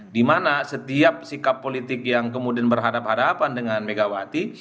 dimana setiap sikap politik yang kemudian berhadapan hadapan dengan megawati